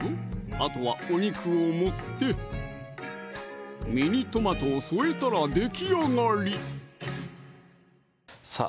あとはお肉を盛ってミニトマトを添えたらできあがりさぁ